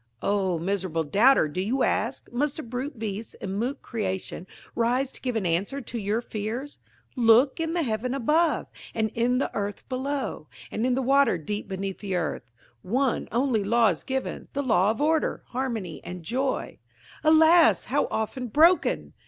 "Oh, miserable doubter, do you ask? Must the brute beasts and mute creation rise to give an answer to your fears? Look in the heaven above, and in the earth below, and in the water deep beneath the earth. One only law is given–the law of order, harmony, and joy." "Alas, how often broken!"